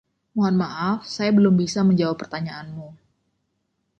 Mohon maaf, saya belum bisa menjawab pertanyaanmu.